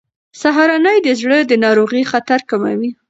سهارنۍ د زړه د ناروغۍ خطر کموي.